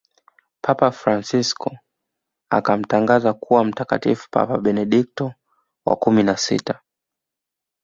papa fransisko akamtangaza kuwa mtakatifu papa benedikto wa kumi na sita